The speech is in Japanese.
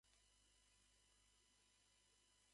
ねぇ、知ってる？